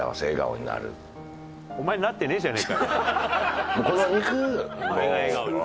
「お前なってねえじゃねえかよ」